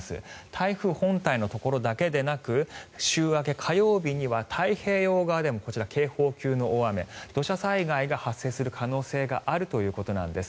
台風本体のところだけでなく週明け火曜日には太平洋側では警報級の大雨土砂災害が発生する可能性があるということなんです。